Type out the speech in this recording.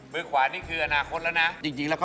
มือขวานี่คืออนาคตแล้วนะ